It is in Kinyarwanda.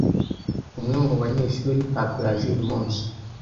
Umwe mu banyeshuri ntabwo yaje uyu munsi.